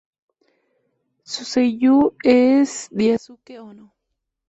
Su Seiyū es Daisuke Ono.